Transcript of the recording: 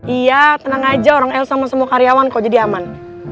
iya tenang aja orang el sama semua karyawan kok jadi aman